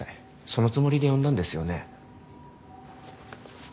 そのつもりで呼んだんですよね？